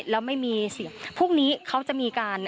แล้วไม่มีเสียงพรุ่งนี้เขาจะมีการ